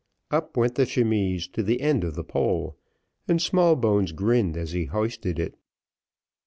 Up went the chemise to the end of the pole, and Smallbones grinned as he hoisted it.